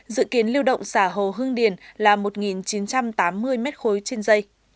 dự kiến lưu động xả hồ hương điền là một chín trăm tám mươi m ba trên dây